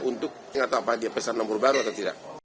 untuk pesan nomor baru atau tidak